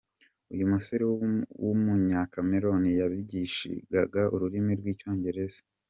Uyu musore w’ Umunya cameroun yabigishaga ururimi rw’ Icyongereza.